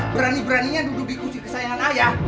berani beraninya duduk di kunci kesayangan ayah